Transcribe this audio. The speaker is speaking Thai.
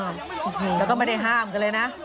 แล้วก็ไม่ได้ห้ามกันเลยนะ